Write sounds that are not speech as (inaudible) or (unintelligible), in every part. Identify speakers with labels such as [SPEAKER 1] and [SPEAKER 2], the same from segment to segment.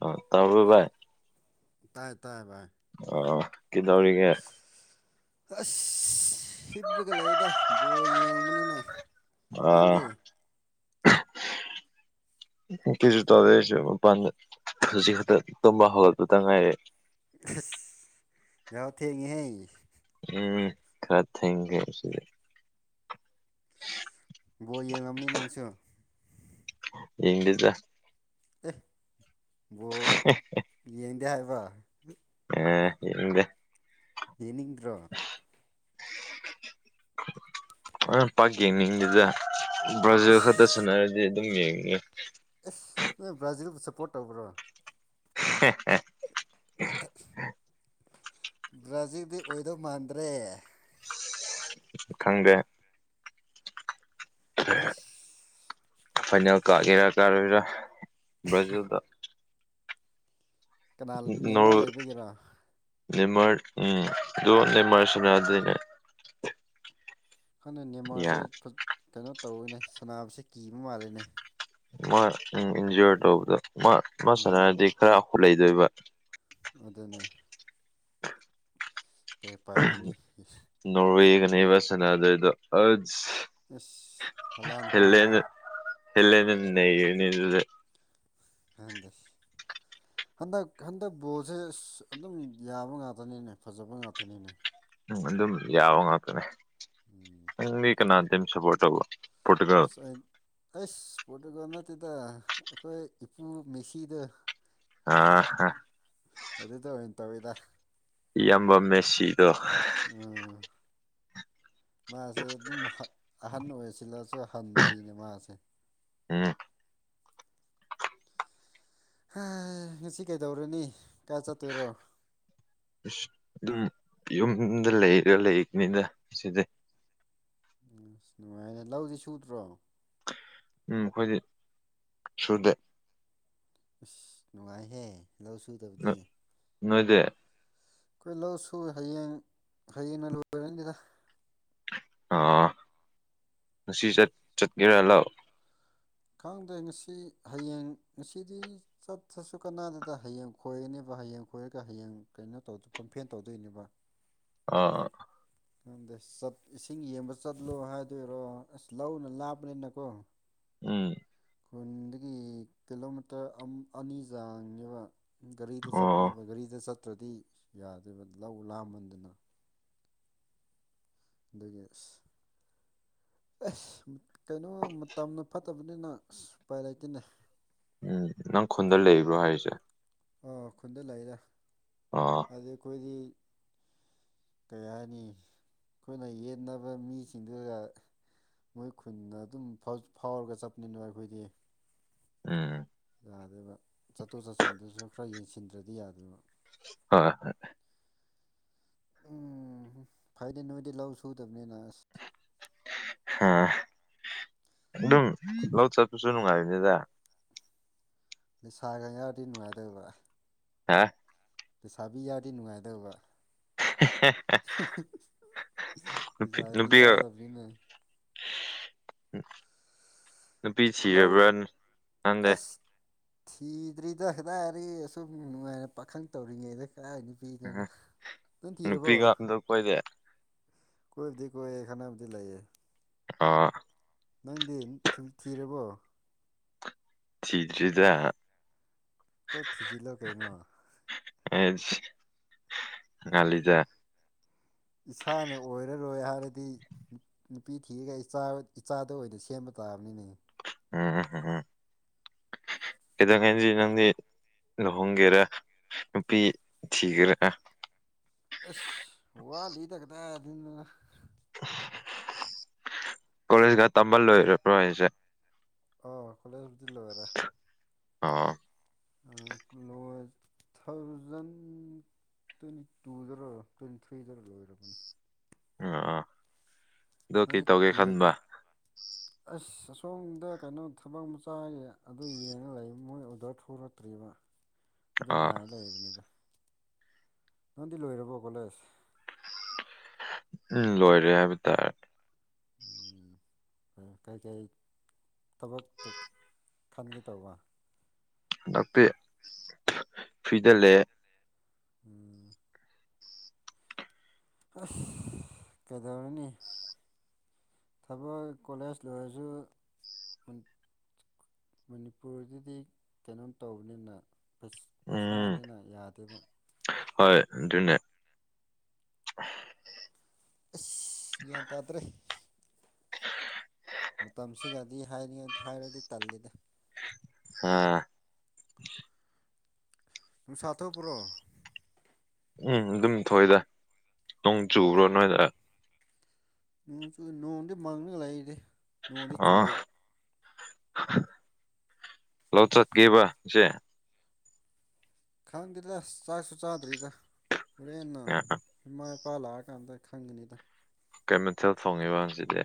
[SPEAKER 1] ꯑꯣ ꯑ ꯇꯕ ꯕꯥ
[SPEAKER 2] ꯇꯥꯏ ꯇꯥꯏ ꯚꯥꯏ
[SPEAKER 1] ꯑ ꯀꯗꯧꯒ
[SPEAKER 2] ꯑꯁ ꯍꯤꯞꯄ꯭ꯔꯒ ꯂꯩꯗ ꯕꯣꯔ ꯌꯦꯡꯕꯅꯤꯅ
[SPEAKER 1] ꯑꯥ
[SPEAKER 2] ꯅꯪꯗꯤ
[SPEAKER 1] ꯀꯩꯁꯨ ꯇꯧꯔꯛꯁꯨ ꯃꯄꯥꯟ ꯍꯧꯖꯤꯛ ꯈꯛꯇ ꯇꯨꯝꯝꯕ ꯍꯧꯒꯠꯄꯗ ꯉꯥꯏꯔꯑꯦ
[SPEAKER 2] ꯌꯥꯎ ꯊꯦꯡꯍ
[SPEAKER 1] ꯎꯝ ꯈ ꯊꯒ ꯁꯤ
[SPEAKER 2] ꯕꯣ ꯌꯦꯡꯂꯡꯉꯝꯅꯤ ꯅꯪꯁꯨ
[SPEAKER 1] ꯏꯗꯤꯗ
[SPEAKER 2] ꯕꯣꯜ ꯌꯦꯡꯗꯦ ꯍꯥꯏꯕ
[SPEAKER 1] ꯑ ꯏꯒ
[SPEAKER 2] ꯌꯦꯅꯤꯗ꯭ꯔꯣ
[SPEAKER 1] ꯑ ꯄꯥꯛ ꯌꯦꯡꯅꯤꯡꯗꯨꯗ ꯕ꯭ꯔꯥꯖꯤꯜ ꯈꯛꯇ
[SPEAKER 2] ꯑꯁ
[SPEAKER 1] ꯁꯅꯔꯗꯤ ꯎ ꯌꯦ
[SPEAKER 2] ꯅꯣꯏ ꯕ꯭ꯔꯥꯖꯤꯜꯗ ꯁꯞꯄꯣꯔꯠ ꯇꯧꯕ꯭ꯔꯣ
[SPEAKER 1] (unintelligible)
[SPEAKER 2] ꯕ꯭ꯔꯥꯖꯤꯜꯗꯤ ꯑꯣꯏꯗꯧ ꯃꯥꯟꯗ꯭ꯔꯦ
[SPEAKER 1] ꯈꯪꯗꯦ
[SPEAKER 2] ꯑꯁ
[SPEAKER 1] ꯐꯥꯏꯅꯦꯜ ꯀꯥꯒꯦꯔꯥ ꯀꯥꯔꯣꯏꯔꯥ ꯕ꯭ꯔꯥꯖꯤꯜꯗ
[SPEAKER 2] ꯀꯅꯥ ꯅꯦꯝꯃ ꯂꯩꯕꯒꯦꯔꯥ
[SPEAKER 1] ꯦꯃꯔ ꯎꯝ ꯑꯗꯨꯣꯦꯔꯁꯤꯅꯥꯗꯅꯦ
[SPEAKER 2] ꯈꯪꯅ ꯅꯦꯃꯔꯁꯦ ꯀꯩꯅꯣ ꯇꯧꯔꯏꯅꯦ ꯁꯅꯥꯁꯦ ꯀꯤꯕ ꯃꯥꯜꯂꯤꯅꯦ
[SPEAKER 1] ꯃꯥ ꯎꯝ ꯏꯟꯖꯣꯔ ꯇꯧꯕꯗ ꯃꯥ ꯃꯥ
[SPEAKER 2] ꯎꯝ
[SPEAKER 1] ꯁꯥꯟꯅꯔꯗꯤ ꯈꯔ ꯑꯈꯨꯠ ꯂꯩꯗꯣꯏꯕ
[SPEAKER 2] ꯑꯗꯨꯅꯦ ꯀꯩ ꯎꯄꯥꯏ ꯂꯩꯅꯤ
[SPEAKER 1] ꯅꯣꯒ ꯅꯕꯁꯗ
[SPEAKER 2] ꯑꯁ ꯍꯂꯥꯟ ꯈꯣꯏꯅꯤꯅꯦ
[SPEAKER 1] ꯍꯦꯂꯅ ꯍꯂꯦ ꯅꯅꯤ
[SPEAKER 2] ꯍꯗꯁ ꯍꯟꯗꯛ ꯍꯟꯗꯛ ꯕꯣꯜꯁꯦ ꯑꯗꯨꯝ ꯌꯥꯕ ꯉꯥꯛꯇꯅꯤꯅꯦ ꯐꯖꯕ ꯉꯥꯛꯇꯅꯤꯅꯦ
[SPEAKER 1] ꯎꯝ ꯑꯗꯨꯝ ꯌꯥꯕ ꯉꯥꯛꯇꯅꯦ
[SPEAKER 2] ꯎꯝ
[SPEAKER 1] ꯅꯪꯗꯤ ꯀꯅꯥꯗꯝ ꯁꯞꯄꯣꯔꯠ ꯇꯧꯕ ꯄꯣꯔꯇꯨꯒꯜ
[SPEAKER 2] ꯑꯩꯁ ꯏꯁꯄꯣꯔꯠꯇꯨꯒ ꯅꯠꯇꯦꯗ ꯑꯩꯈꯣꯏ ꯏꯄꯨ ꯃꯦꯁꯤꯗ
[SPEAKER 1] ꯑꯥꯍꯥ
[SPEAKER 2] ꯑꯗꯨꯗ ꯑꯣꯏꯅ ꯇꯧꯋꯤꯗ
[SPEAKER 1] ꯏꯕ ꯃꯦꯁꯤꯗꯣ
[SPEAKER 2] ꯎ ꯃꯥꯁꯦ ꯑꯗꯨꯝ ꯑꯍꯟ ꯑꯣꯏꯁꯤꯜꯂ ꯍꯟꯗ꯭ꯔꯤꯅꯦ ꯃꯥꯁꯦ
[SPEAKER 1] ꯎꯝ
[SPEAKER 2] ꯉꯁꯤ ꯀꯩꯗꯧꯔꯅꯤ ꯀꯥꯏ ꯆꯠꯇꯣꯏꯔꯣ
[SPEAKER 1] ꯑꯁ ꯑꯗꯨꯝ ꯌꯨꯝꯗ ꯂꯩꯔ ꯂꯩꯕꯅꯤꯅ ꯁꯤꯁꯦ
[SPEAKER 2] ꯑꯁ ꯅꯨꯡꯉꯥꯏꯔꯦ ꯂꯧꯗꯤ ꯁꯨꯗ꯭ꯔꯣ
[SPEAKER 1] ꯎꯝ ꯑꯩꯈꯣꯏꯗꯤ ꯁꯨꯗꯦ
[SPEAKER 2] ꯑꯁ ꯅꯨꯡꯉꯥꯏꯍꯦ ꯂꯧ
[SPEAKER 1] ꯅꯣꯏ
[SPEAKER 2] ꯁꯨꯗꯕꯗꯤ
[SPEAKER 1] ꯅꯣꯏꯗꯤ
[SPEAKER 2] ꯑꯩꯈꯣꯏ ꯂꯧꯁꯨ ꯍꯌꯦꯡ ꯍꯌꯦꯡꯅ ꯂꯣꯏꯔꯅꯤꯗ
[SPEAKER 1] ꯑꯥ ꯉꯁꯤ ꯆꯠꯀꯦꯔꯥ ꯂꯥꯛꯑꯣ
[SPEAKER 2] ꯈꯪꯗ꯭ꯔꯦ ꯉꯁꯤ ꯍꯌꯦꯡ ꯉꯁꯤꯗꯤ ꯆꯠꯇ꯭ꯔꯁꯨ ꯀꯅꯥꯗꯗ ꯍꯌꯦꯡ ꯈꯣꯏꯔꯅꯦꯕ ꯍꯌꯦꯡ ꯈꯣꯏꯔꯒ ꯍꯌꯦꯡ ꯀꯩꯅꯣ ꯇꯧ ꯄꯝꯐꯦꯟ ꯇꯧꯗꯣꯏꯅꯦꯕ
[SPEAKER 1] ꯑꯥ
[SPEAKER 2] ꯈꯪꯗꯦꯠ ꯏꯁꯤꯡ ꯌꯦꯡꯕ ꯆꯠꯂꯣ ꯍꯥꯏꯗꯣꯏꯔꯣ ꯑꯁ ꯂꯧꯅ ꯂꯥꯞꯄꯅꯤꯅꯀꯣ
[SPEAKER 1] ꯎꯝ
[SPEAKER 2] ꯈꯨꯟꯗꯒꯤ ꯀꯤꯂꯣꯃꯤꯇꯔ ꯑꯅꯤ ꯆꯥꯡꯅꯦꯕ ꯒꯥꯔꯤꯗ
[SPEAKER 1] ꯑꯣ
[SPEAKER 2] ꯆꯠꯄꯅꯦꯕ ꯒꯥꯔꯤꯗ ꯆꯠꯇ꯭ꯔꯗꯤ ꯌꯥꯗꯦꯕ ꯂꯧ ꯂꯥꯃꯟꯗꯅ ꯗꯗꯒꯤ ꯑꯦꯁ ꯀꯩꯅꯣ ꯃꯇꯝꯅ ꯐꯠꯇꯕꯅꯤꯅ ꯁꯨꯄꯥꯏ ꯂꯩꯇꯦꯅꯦ
[SPEAKER 1] ꯎꯝ ꯅꯪ ꯈꯨꯟꯗ ꯂꯩꯕ꯭ꯔꯣ ꯍꯥꯏꯔꯤꯁꯦ
[SPEAKER 2] ꯑ ꯈꯨꯟꯗ ꯂꯩꯔꯦ
[SPEAKER 1] ꯑꯣ
[SPEAKER 2] ꯑꯗꯨ ꯑꯩꯈꯣꯏꯗꯤ
[SPEAKER 1] (inaudible)
[SPEAKER 2] ꯀꯔꯤ ꯍꯥꯏꯅꯤ ꯑꯩꯈꯣꯏꯅ ꯌꯦꯟꯅꯕ ꯃꯤꯁꯤꯡꯗꯨꯒ ꯃꯣꯏ ꯈꯨꯟꯗ ꯑꯗꯨꯝ ꯐꯥꯎꯔꯒ ꯆꯠꯄꯅꯤꯅꯣ ꯑꯩꯈꯣꯏꯗꯤ
[SPEAKER 1] ꯎꯝ
[SPEAKER 2] ꯌꯥꯗꯦꯕ ꯆꯠꯊꯣꯛ ꯆꯠꯁꯤꯟꯗꯨꯁꯨ ꯈꯔ ꯌꯦꯡꯁꯤꯟꯗ꯭ꯔꯗꯤ ꯌꯥꯗꯦꯕ
[SPEAKER 1] ꯍꯣꯏ ꯍꯣꯏ
[SPEAKER 2] ꯎꯝ ꯐꯥꯏꯗꯦ ꯅꯅꯨꯡꯣꯏꯗꯤ ꯂꯥꯎꯁꯨꯨ ꯇꯝꯅꯤ
[SPEAKER 1] ꯑ ꯑꯗꯨꯝ ꯂꯧ ꯆ ꯁꯨ ꯅꯅꯨꯡꯉꯥꯏꯅꯤꯗ
[SPEAKER 2] ꯂꯩꯁꯥꯒ ꯌꯥꯔꯗꯤ ꯅꯨꯡꯉꯥꯏꯇꯕ
[SPEAKER 1] ꯍꯥ
[SPEAKER 2] ꯄꯩꯁꯥꯕꯤ ꯌꯥꯔꯗꯤ ꯅꯨꯡꯉꯥꯏꯗꯕ ꯆꯔꯦꯄꯤꯤ ꯌꯥꯗ ꯑꯗꯨꯕꯅꯤꯅꯦ
[SPEAKER 1] ꯎꯝ
[SPEAKER 2] ꯑꯣꯂ ꯑꯁ ꯊꯤꯗꯔꯤꯗ ꯑꯗꯥꯏꯔꯤ ꯑꯁꯨꯝ ꯅꯨꯡꯉꯥꯏꯅ ꯄꯥꯈꯪ ꯇꯧꯔꯤꯉꯩꯗ ꯀꯥꯏ ꯍꯥꯏꯅ ꯄꯤꯗꯅ ꯑꯗꯨꯅ ꯊꯤꯔꯣꯔꯕꯣ
[SPEAKER 1] ꯅꯨꯄꯤꯒ ꯑꯝꯇ ꯀꯣꯏꯗꯦ
[SPEAKER 2] ꯀꯣꯏ ꯀꯣꯏ ꯈꯅꯕꯨꯗꯤ ꯂꯩꯥꯏꯌꯦ
[SPEAKER 1] ꯑꯥ
[SPEAKER 2] ꯅꯪꯗꯤ ꯊꯤꯔꯕꯣ
[SPEAKER 1] ꯆꯤꯗꯔꯤꯗ
[SPEAKER 2] ꯀꯣꯛ ꯊꯤꯖꯤꯜꯂꯣ ꯀꯩꯅꯣ
[SPEAKER 1] ꯑꯦ ꯉꯂꯤꯖ
[SPEAKER 2] ꯏꯁꯥꯅ ꯑꯣꯏꯔꯔꯣꯏ ꯍꯥꯏꯔꯗꯤ ꯅꯨꯄꯤ ꯊꯤꯔꯒ ꯏꯆꯥꯗ ꯑꯣꯏꯅ ꯁꯦꯝꯕ ꯇ ꯏꯁꯇꯥꯕꯅꯤ
[SPEAKER 1] ꯎꯝꯝꯝ ꯑꯦꯗꯣ ꯀꯩꯗꯤꯗꯤ ꯂꯨꯍꯣꯡꯒꯦꯔꯥ ꯅꯨꯄꯤ ꯊꯤꯒꯦꯔꯦ
[SPEAKER 2] ꯑꯗꯨꯅ
[SPEAKER 1] ꯀꯣꯂꯦꯖꯒ ꯇꯝꯕ ꯂꯣꯏꯔ꯭ꯔꯣꯁꯦ
[SPEAKER 2] ꯑ ꯀꯣꯂꯦꯖꯕꯨꯗꯤ ꯂꯕꯦꯔꯦ
[SPEAKER 1] ꯑꯥ
[SPEAKER 2] ꯀ꯭ꯂ ꯂꯣꯖ ꯊꯥꯎꯖꯟ ꯇ꯭ꯋꯦꯟꯇꯤ ꯇꯨꯗꯔ ꯇ꯭ꯋꯦꯟꯇꯤ ꯊ꯭ꯔꯤꯗꯔ ꯂꯣꯏꯔꯕꯅꯤ
[SPEAKER 1] ꯑ ꯑꯣ ꯀꯩ
[SPEAKER 2] ꯅꯪꯗꯤ
[SPEAKER 1] ꯇꯧꯒꯦ
[SPEAKER 2] ꯂꯣꯏ
[SPEAKER 1] ꯈꯟꯕ
[SPEAKER 2] ꯑꯁ ꯑꯁꯣꯝꯗ ꯀꯩꯅꯣ ꯊꯕꯛ ꯃꯆꯥ ꯑꯗꯨ ꯌꯦꯡꯉ ꯂꯩ ꯃꯣꯏ ꯑꯣꯗꯔ ꯊꯣꯛꯣꯔꯛꯇ꯭ꯔꯤ ꯑꯗꯨꯒ ꯑꯗꯨ
[SPEAKER 1] ꯑꯣ
[SPEAKER 2] ꯉꯥꯏꯔ ꯂꯩꯔꯤꯕꯅꯤꯗ ꯅꯪꯗꯤ ꯂꯣꯏꯔꯕꯣ ꯀꯣꯂꯦꯖ
[SPEAKER 1] ꯎꯝ ꯂꯣꯏꯔꯦ ꯍꯥꯏ ꯇ
[SPEAKER 2] ꯍ ꯀꯩꯀꯩ ꯊꯕꯛꯇꯣ ꯈꯟꯒꯦ ꯇꯧꯕ
[SPEAKER 1] ꯍꯟꯗꯄꯤꯦ ꯐꯤꯗꯂꯑꯦ
[SPEAKER 2] ꯎꯝ ꯀꯗ ꯑꯣꯏꯅꯤꯅꯤ ꯊꯕꯛ ꯀꯣꯂꯦꯖ ꯂꯣꯏꯔꯁꯨ ꯃꯅꯤꯄꯨꯔꯗꯗꯤ ꯀꯩꯅꯣꯝ ꯇꯧꯕꯅꯤꯅ ꯄꯩꯁꯥꯅꯤꯅ ꯌꯥꯗꯦꯕ
[SPEAKER 1] ꯍ ꯑꯗꯨꯅ
[SPEAKER 2] ꯑꯁ ꯒ꯭ꯌꯥꯟ ꯇꯥꯗ꯭ꯔꯦ
[SPEAKER 1] (inaudible)
[SPEAKER 2] ꯗꯤ ꯍꯥꯏꯔꯤꯉ ꯍꯥꯏꯔꯗꯤ ꯇꯜꯂꯤꯗ
[SPEAKER 1] ꯑꯥ
[SPEAKER 2] ꯝ ꯁꯥꯊꯧꯄ꯭ꯔꯣ
[SPEAKER 1] ꯎꯝ ꯑꯗꯨꯝ ꯊꯣꯏꯏꯗ ꯅꯣꯡ ꯆꯨꯕ꯭ꯔꯣ ꯅꯣꯏꯗ
[SPEAKER 2] ꯣꯡ ꯆ ꯅꯣꯡꯗꯤ ꯃꯥꯡꯅ ꯂꯥꯏꯗꯤ ꯅꯣꯡꯗꯤ ꯆꯨꯗ
[SPEAKER 1] ꯂꯆꯠ ꯀꯦꯕꯁ
[SPEAKER 2] ꯈꯪꯗꯦꯗ ꯑꯁ ꯆꯥꯛꯁꯨ ꯆꯥꯗ꯭ꯔꯤꯗ ꯍꯣꯔꯦꯟꯅ
[SPEAKER 1] ꯑ
[SPEAKER 2] ꯏꯃ ꯄꯂꯥ ꯀꯥꯟꯗ ꯈꯪꯒꯅꯤꯗ
[SPEAKER 1] ꯀꯦꯃꯤꯀꯦꯜ ꯐꯣꯡꯉꯤꯕꯁꯤꯗꯤ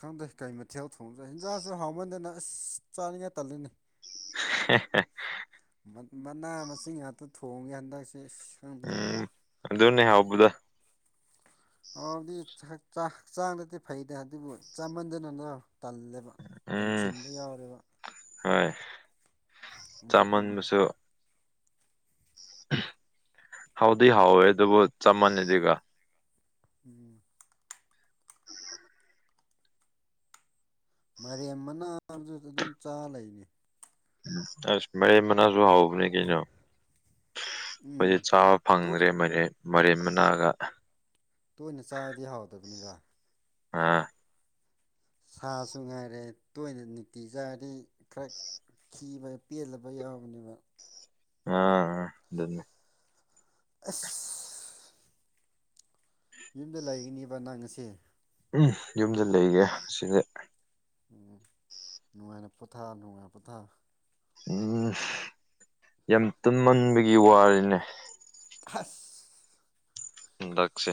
[SPEAKER 2] ꯈꯪꯗꯦ ꯀꯩ ꯃꯊꯦꯜ ꯊꯣꯡꯗ꯭ꯔꯦ ꯍꯤꯟꯖꯥꯡꯁꯨ ꯍꯥꯎꯃꯟꯗꯅ ꯑꯁ ꯆꯥꯅꯤꯡꯉꯥꯏ ꯇꯜꯂꯤꯅꯤ
[SPEAKER 1] (inaudible)
[SPEAKER 2] ꯃꯅꯥ ꯃꯁꯤꯡ ꯉꯥꯛꯇ ꯊꯣꯡꯉꯦ ꯍꯟꯗꯛ
[SPEAKER 1] ꯎꯝ ꯑꯗꯨꯅꯦꯦ ꯍꯕꯗ
[SPEAKER 2] ꯑꯗꯨꯗꯤ ꯍꯛꯆꯥꯡꯗꯗꯤ ꯐꯩꯗ ꯑꯗꯨꯕꯨ ꯆꯥꯃꯟꯗꯅꯅ ꯇꯜꯂꯦꯕ
[SPEAKER 1] ꯎꯝ
[SPEAKER 2] ꯇꯟꯁꯤꯟꯕ ꯌꯥꯎꯔꯦꯕ
[SPEAKER 1] ꯍꯣꯏ
[SPEAKER 2] ꯑꯗꯨꯗꯅꯤ
[SPEAKER 1] ꯆꯥꯃꯟꯕꯁꯨ ꯍꯥꯎꯗꯤ ꯍꯥꯎꯋꯦ ꯑꯗꯨꯕꯨ ꯆꯞ ꯃꯥꯟꯅꯩꯗꯤꯒ
[SPEAKER 2] ꯎꯝ ꯃꯦꯝ ꯃꯅꯥꯗꯨ ꯑꯗꯨꯝ ꯆꯥ ꯂꯩꯅꯤ
[SPEAKER 1] ꯑꯁ ꯃꯦ ꯃꯅꯥꯁꯨ ꯍꯥꯎ ꯀꯩꯅꯣ ꯑꯩꯈꯣꯏꯗꯤ
[SPEAKER 2] ꯎꯝ
[SPEAKER 1] ꯆꯥꯕ ꯐꯪꯗ꯭ꯔꯦ ꯃ ꯃꯦꯝ ꯃꯅꯥꯒ
[SPEAKER 2] ꯇꯣꯏꯅ ꯆꯥꯔꯗꯤ ꯍꯥꯎꯗꯕꯅꯤꯗ
[SPEAKER 1] ꯑꯥ
[SPEAKER 2] ꯁꯥꯁꯨ ꯉꯥꯏꯔꯦ ꯇꯣꯏꯅ ꯅꯨꯡꯇꯤ ꯆꯥꯗꯤ ꯈꯔ ꯤꯕ ꯄꯦꯜꯂꯕ ꯌꯥꯎꯕꯅꯦꯕ
[SPEAKER 1] ꯑꯥ ꯑꯗꯨꯃꯦ
[SPEAKER 2] ꯑ ꯌꯨꯝꯗ ꯂꯩꯔꯤꯅꯦꯕ ꯅꯪ ꯑꯁꯦ
[SPEAKER 1] ꯌꯨꯝꯗ ꯂꯩꯒꯦ ꯁꯤꯁꯦ
[SPEAKER 2] ꯎꯝ ꯅꯨꯡꯉꯥꯏꯅ ꯄꯣꯊꯥ ꯅꯨꯡꯉꯥꯏ ꯄꯣꯊꯥ
[SPEAKER 1] ꯎꯝ ꯌꯥꯝ ꯇꯨꯝꯃꯟꯕꯒꯤ ꯋꯥꯔꯤꯅꯦ
[SPEAKER 2] ꯐꯁ
[SPEAKER 1] ꯎ ꯂꯥꯛꯁꯦ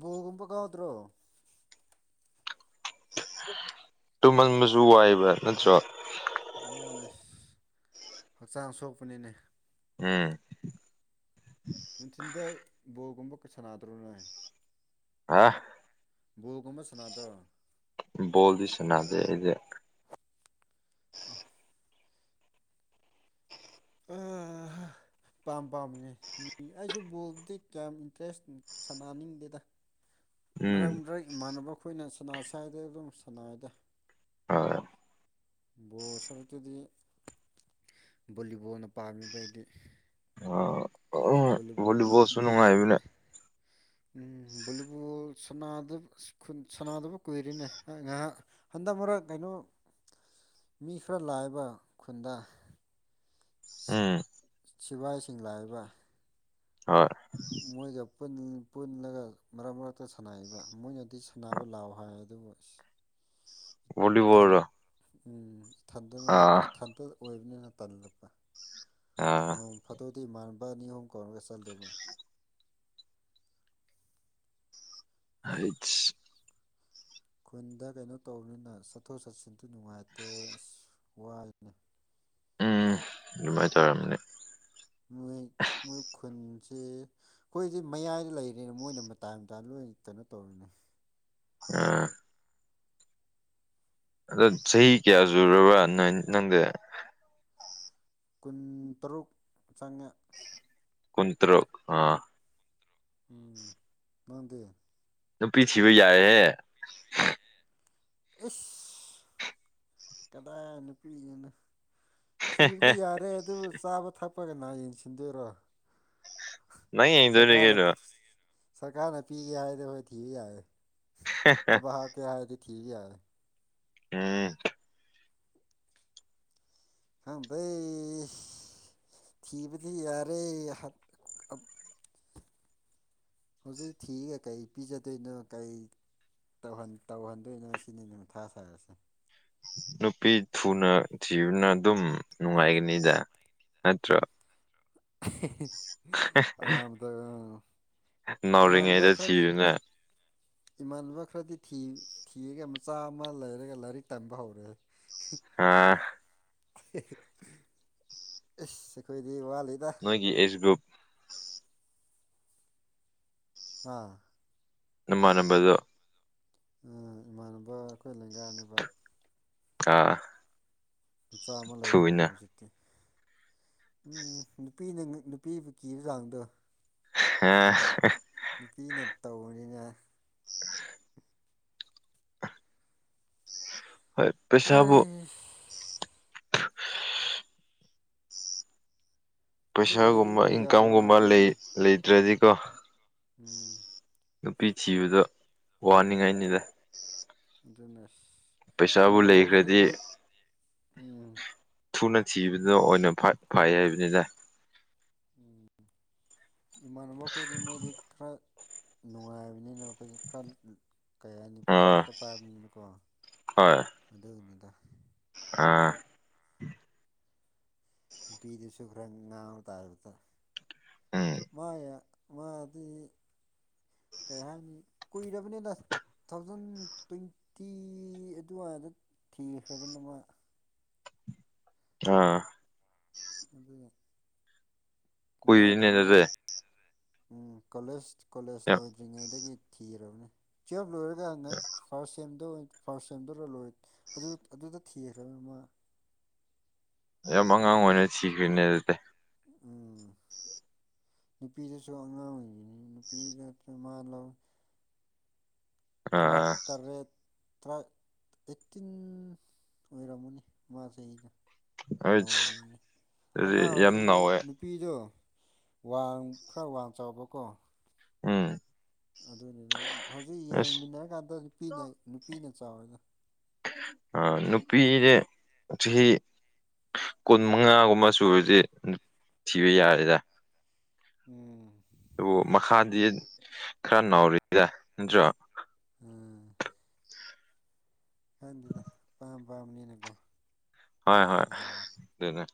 [SPEAKER 2] ꯕꯣꯒꯨꯝꯕ ꯀꯥꯎꯗ꯭ꯔꯣ
[SPEAKER 1] ꯇꯨꯝꯍꯟꯕꯁꯨ ꯋꯥꯏꯕ꯭ꯔ ꯅꯠꯇ꯭ꯔꯣ
[SPEAKER 2] ꯃꯥꯅꯦ ꯍꯛꯆꯥꯡ ꯁꯣꯛꯄꯅꯤꯅꯦ
[SPEAKER 1] ꯎꯝ
[SPEAKER 2] ꯅꯨꯡꯊꯤꯟꯗ ꯕꯣꯜꯒꯨꯝꯕꯀ ꯁꯥꯟꯅꯗ꯭ꯔꯣꯅꯦ
[SPEAKER 1] ꯑꯥ
[SPEAKER 2] ꯕꯣꯒꯨꯝꯕ ꯁꯥꯟꯅꯥꯗꯔ
[SPEAKER 1] ꯣꯗꯤꯁꯅꯗ ꯑꯩꯗꯤꯦ
[SPEAKER 2] ꯎ ꯑ
[SPEAKER 1] (unintelligible)
[SPEAKER 2] ꯄꯥꯝ ꯄꯥꯝꯕꯅꯦ ꯃꯤ ꯑꯩꯁꯨ ꯕꯣꯜꯕꯨꯗꯤ ꯀꯌꯥꯝ ꯏꯟꯇꯔꯦꯁ ꯁꯥꯟꯅꯅꯤꯡꯗꯦꯗ
[SPEAKER 1] ꯎꯝ
[SPEAKER 2] ꯃꯔꯛ ꯃꯔꯛ ꯏꯃꯥꯟꯅꯕ ꯑꯩꯈꯣꯏꯅ ꯁꯅꯥꯁ꯭ꯋꯥꯏꯗ ꯑꯗꯨꯝ ꯁꯅꯥꯏꯗ
[SPEAKER 1] ꯑ
[SPEAKER 2] ꯕꯣ ꯁꯔꯨꯛꯇꯗꯤ ꯕꯣꯂꯤꯕꯣꯜꯅ ꯄꯥꯝꯃꯤꯕ ꯑꯩꯗꯤ ꯕꯣꯂꯤꯕꯣꯜ
[SPEAKER 1] ꯍꯣꯂꯤꯕꯣꯁꯨ ꯅꯨꯡꯉꯥꯏꯕꯅꯦ (unintelligible)
[SPEAKER 2] ꯀꯣꯜ ꯁꯥꯟꯅꯗꯕ ꯀꯨꯏꯔꯤꯅꯦ ꯉꯥꯏꯍꯥꯛ ꯍꯟꯗꯛ ꯃꯔꯛ ꯀꯩꯅꯣ ꯃꯤ ꯈꯔ ꯂꯥꯏꯕ ꯈꯨꯟꯗ
[SPEAKER 1] ꯎꯝ
[SPEAKER 2] ꯁꯤꯕꯥꯏꯁꯤꯡ ꯂꯥꯛꯏꯕ
[SPEAKER 1] ꯍꯣꯏ
[SPEAKER 2] ꯃꯣꯏ ꯆꯄ ꯄꯨꯜꯂꯒ ꯃꯔꯛ ꯃꯔꯛꯇ ꯁꯥꯟꯅꯕ ꯃꯣꯏꯅꯗꯤ ꯁꯥꯟꯅꯕ ꯂꯥꯎꯑꯣ ꯍꯥꯏ ꯑꯗꯨꯕꯨ ꯑꯁ
[SPEAKER 1] ꯕꯣ
[SPEAKER 2] ꯎꯝ ꯏꯊꯗ ꯏꯊꯗ ꯑꯣꯏꯕꯅꯤꯅ ꯇꯜꯂꯛꯄ
[SPEAKER 1] ꯑꯥ
[SPEAKER 2] ꯅꯣꯡ ꯐꯥꯗꯧꯗꯤ ꯏꯃꯥꯟꯕ ꯑꯅꯤ ꯑꯍꯨꯝ ꯀꯧꯔꯒ ꯆꯠꯂꯦꯕ
[SPEAKER 1] ꯍꯥꯏꯠ
[SPEAKER 2] ꯈꯨꯟꯗ ꯀꯩꯅꯣ ꯇꯧꯕꯅꯤꯅ ꯆꯠꯊꯣꯛ ꯆꯠꯁꯤꯟꯁꯨ ꯅꯨꯡꯉꯥꯏꯇꯦ ꯑꯁ ꯋꯥꯏꯅꯦ
[SPEAKER 1] ꯎꯝ ꯑꯗꯨꯃꯥꯏꯅ ꯇꯧꯔꯝꯅꯤ
[SPEAKER 2] ꯃꯣꯏ ꯃꯣꯏ ꯈꯨꯟꯁꯦ ꯑꯩꯈꯣꯏꯁ ꯃꯌꯥꯏꯗ ꯂꯩꯔꯦꯅ ꯃꯣꯏꯅ ꯃꯇꯥꯏ ꯑꯃꯥ ꯂꯣꯏ ꯀꯩꯅꯣ ꯇꯧꯔꯤꯅꯦ
[SPEAKER 1] ꯎꯝ ꯑꯗ ꯆꯍꯤ ꯀꯌꯥ ꯆꯨꯔꯕ꯭ꯔꯥ ꯅꯪꯗꯦ
[SPEAKER 2] ꯀꯨꯟꯇꯔꯨꯛ ꯆꯥꯉꯥ
[SPEAKER 1] ꯀꯨꯟꯇꯔꯨꯛ ꯑꯥ
[SPEAKER 2] ꯎꯝ ꯃꯥꯗ
[SPEAKER 1] ꯅꯨꯄꯤ ꯊꯤꯕ ꯌꯥꯏꯦꯍꯦ
[SPEAKER 2] ꯑꯦꯁ ꯀꯗꯥꯅ ꯄꯅ ꯊꯤꯕꯗꯤ
[SPEAKER 1] ꯑꯦ
[SPEAKER 2] ꯌꯥꯔꯦꯗ ꯆꯥꯕ ꯊꯛꯄꯒ ꯌꯦꯡꯁꯤꯟꯗꯣꯏꯔꯣ
[SPEAKER 1] ꯅ
[SPEAKER 2] ꯁꯔꯀꯥꯔꯅ
[SPEAKER 1] ꯑꯩꯗꯔꯤꯒꯩꯅ
[SPEAKER 2] ꯁꯔꯀꯥꯔꯅ ꯄꯤꯒꯦ ꯍꯥꯏꯔꯗꯤ ꯑꯩꯈꯣꯏ ꯊꯤꯕ ꯌꯥꯏꯦ ꯊꯕꯛ ꯍꯥꯞꯀꯦ ꯍꯥꯏꯔꯗꯤ ꯊꯤꯕ ꯌꯥꯔꯦ
[SPEAKER 1] ꯎꯝ
[SPEAKER 2] ꯍꯗꯩ ꯊꯤꯕꯗꯤ ꯌꯥꯔꯦ ꯍꯧꯖꯤꯛ ꯊꯤꯒꯦ ꯀꯩ ꯄꯤꯖꯗꯣꯏꯅꯣ ꯀꯩ ꯇꯧꯍꯟꯗꯣꯏꯅ ꯁꯤꯅꯤ ꯃꯤ ꯊꯥ ꯁꯥꯔꯁꯦ
[SPEAKER 1] ꯅꯨꯄꯤ ꯊꯨꯅ ꯊꯤꯕꯅ ꯑꯗꯨꯝ ꯅꯨꯡꯉꯥꯏꯒꯅꯤꯗ ꯅꯠꯇ꯭ꯔ
[SPEAKER 2] ꯑꯌꯥꯝ ꯃꯇꯝ
[SPEAKER 1] ꯎꯔꯤꯉꯩꯗ ꯊꯤꯌꯨꯅꯦ
[SPEAKER 2] ꯏꯃꯥꯟꯅꯕ ꯈꯔꯗꯤ ꯊꯤꯔꯒ ꯃꯆꯥ ꯑꯃ ꯂꯩꯔꯒ ꯂꯥꯏꯔꯤꯛ ꯇꯝꯕ ꯍꯧꯔꯦ
[SPEAKER 1] ꯍꯥꯥ
[SPEAKER 2] ꯑꯦꯁꯈꯣꯏꯗꯤ ꯋꯥꯜ
[SPEAKER 1] ꯅꯣꯏꯒꯤ ꯑꯦꯁ ꯒꯨꯨꯞ
[SPEAKER 2] ꯑꯥ
[SPEAKER 1] ꯅꯃ ꯅꯝꯕꯗ
[SPEAKER 2] ꯏꯃꯥꯟꯅꯕ ꯑꯩꯈꯣꯏ ꯂꯦꯡꯒꯥꯅꯦꯕ
[SPEAKER 1] ꯑꯥ
[SPEAKER 2] ꯃꯆꯥ ꯑꯃ ꯂꯩꯔꯕꯅꯤ
[SPEAKER 1] ꯊꯨꯏꯅ
[SPEAKER 2] ꯍꯧꯖꯤꯛꯇꯤ ꯎꯝ ꯅꯨꯄꯤꯅ ꯅꯨꯄꯤꯕꯨ ꯀꯤꯕ ꯆꯥꯡꯗꯣ
[SPEAKER 1] ꯑ
[SPEAKER 2] ꯅꯨꯄꯤꯅ ꯇꯧꯕꯅꯤꯅ
[SPEAKER 1] (unintelligible) ꯍꯣꯏ ꯄꯩꯁꯥꯕꯣ
[SPEAKER 2] ꯑꯩ ꯑꯗꯨ ꯂꯩꯗꯤ
[SPEAKER 1] ꯄꯩꯁꯥꯒꯨꯝꯕ
[SPEAKER 2] ꯂꯣꯏ ꯌꯥꯕ
[SPEAKER 1] ꯏꯟꯀꯥꯝꯒꯨꯝꯕ
[SPEAKER 2] ꯉꯥꯛꯇꯅꯤꯅꯦ
[SPEAKER 1] ꯂꯩꯇ꯭ꯔꯗꯤꯀꯣ
[SPEAKER 2] ꯎꯝ
[SPEAKER 1] ꯅꯨꯄꯤ ꯊꯤꯕꯗꯣ ꯋꯥꯅꯤꯡꯉꯥꯏꯅꯤꯗ
[SPEAKER 2] ꯖꯤꯅꯦꯁ
[SPEAKER 1] ꯄꯩꯁꯥꯕꯨ ꯂꯩꯈ꯭ꯔꯗꯤ
[SPEAKER 2] ꯎꯝ
[SPEAKER 1] ꯊꯨꯅ ꯊꯤꯕꯗ ꯑꯣꯏꯅ ꯐꯩ ꯍꯥꯏꯕꯅꯤꯅ
[SPEAKER 2] ꯏꯃꯥꯟꯅꯕ ꯃꯈꯣꯏꯗꯤ ꯃꯣꯏꯗꯤ ꯈꯔ ꯅꯨꯡꯉꯥꯏꯕꯅꯤꯅ ꯑꯩꯈꯣꯏꯁ ꯈꯔ ꯀꯩ ꯍꯥꯏꯅꯤ ꯄꯩꯁꯥ
[SPEAKER 1] ꯑꯥ
[SPEAKER 2] ꯈꯔ ꯄꯥꯕꯅꯤꯅꯀꯣ
[SPEAKER 1] ꯍꯣꯏ
[SPEAKER 2] ꯑꯗꯨꯗꯨꯗ
[SPEAKER 1] ꯑꯥ
[SPEAKER 2] ꯅꯨꯄꯤꯗꯨꯁꯨ ꯈꯔ ꯉꯥꯡꯕ ꯇꯥꯔꯕꯗ
[SPEAKER 1] ꯎꯝ
[SPEAKER 2] ꯃꯥ ꯃꯥ ꯑꯗꯨ ꯀꯩ ꯍꯥꯏꯅꯤ ꯀꯨꯏꯔꯕꯅꯤꯅ ꯇꯨ ꯊꯥꯎꯖꯟ ꯇ꯭ꯋꯦꯟꯇꯤ ꯑꯗꯨꯋꯥꯏꯗ ꯊꯤꯈ꯭ꯔꯕ ꯅꯃ
[SPEAKER 1] ꯑ
[SPEAKER 2] ꯑꯗꯨꯗ
[SPEAKER 1] ꯀꯨꯏꯔꯤꯅꯦꯅꯁꯦ
[SPEAKER 2] ꯎꯝ ꯀꯣꯂꯦꯖ ꯀꯣꯂꯦꯖ ꯂꯣꯏꯗ꯭ꯔꯤꯉꯩꯗꯒꯤ ꯊꯤꯔꯕꯅꯤ ꯆꯦꯞ ꯂꯣꯏꯔ ꯐꯥꯔꯁ ꯁꯦꯝꯗꯣꯏ ꯐꯥꯔꯁ ꯁꯦꯝꯗꯧꯔ ꯂꯣꯏ ꯑꯗꯨ ꯑꯗꯨꯗ ꯊꯤꯈ꯭ꯔꯕ ꯑꯃ
[SPEAKER 1] ꯌꯥꯝ ꯑꯉꯥꯡ ꯑꯣꯏꯅ ꯁꯤꯈ꯭ꯔꯤꯅꯦ ꯑꯗꯨꯗꯤ
[SPEAKER 2] ꯅꯨꯄꯤꯗꯁꯨ ꯑꯉꯥꯡ ꯑꯣꯏꯔꯤꯅꯤ ꯅꯨꯄꯤꯗꯁꯨ ꯃꯥ ꯂꯧ ꯇꯔꯥ
[SPEAKER 1] ꯑꯥ
[SPEAKER 2] ꯇꯔꯦꯠ ꯇꯔꯥ ꯑꯩꯠꯇꯤꯟ ꯑꯣꯏꯔꯝꯃꯅꯤ ꯃꯥꯁꯦꯗ
[SPEAKER 1] ꯑꯩꯁ
[SPEAKER 2] ꯅꯧꯔꯤꯅꯦ ꯑꯉꯥꯡ
[SPEAKER 1] ꯑꯗꯨꯗꯤ ꯌꯥꯝ
[SPEAKER 2] ꯑꯣꯏꯁꯨ ꯃꯥ
[SPEAKER 1] ꯅꯧꯋꯦ
[SPEAKER 2] ꯅꯨꯄꯤꯗꯣ ꯋꯥ ꯈꯔ ꯋꯥꯡ ꯆꯥꯎꯕ ꯀꯣ
[SPEAKER 1] ꯎꯝ
[SPEAKER 2] ꯑꯗꯨꯅꯤꯅ ꯍꯧꯖꯤꯛ
[SPEAKER 1] ꯑꯁ
[SPEAKER 2] ꯌꯦꯡꯃꯤꯟꯅꯔꯀꯥꯟꯗ ꯅꯨꯄꯤꯅ ꯅꯨꯄꯤꯅ ꯆꯥꯎꯔꯅ
[SPEAKER 1] ꯅꯨꯄꯤꯗ ꯆꯍꯤ ꯀꯨꯟ ꯃꯉꯥꯒꯨꯝꯕ ꯁꯨꯔꯁ ꯊꯤꯕ ꯌꯥꯔꯦꯗ
[SPEAKER 2] ꯎꯝ
[SPEAKER 1] ꯑꯗꯨꯕꯨ ꯃꯈꯥꯗꯤ ꯈꯔ ꯧꯔꯤꯗ ꯅꯠꯇ꯭ꯔꯣ
[SPEAKER 2] ꯍꯗꯤꯗ ꯄꯥꯝ ꯄꯥꯝꯅꯤꯅꯀꯣ
[SPEAKER 1] ꯍꯣꯏ ꯍꯣꯏ ꯑꯗꯨꯅꯦ